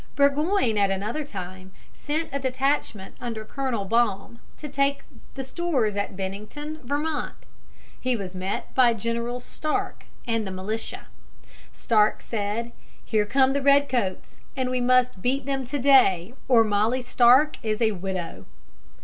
Burgoyne at another time sent a detachment under Colonel Baum to take the stores at Bennington, Vermont. He was met by General Stark and the militia. Stark said, "Here come the redcoats, and we must beat them to day, or Molly Stark is a widow."